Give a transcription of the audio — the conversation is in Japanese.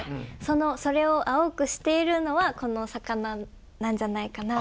それを青くしているのはこの魚なんじゃないかな。